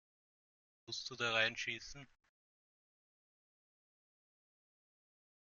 Musst du da reinschießen?